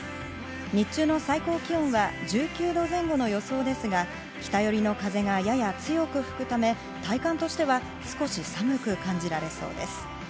日中の最高気温は１９度前後の予想ですが、北よりの風がやや強く吹くため、体感としては少し寒く感じられそうです。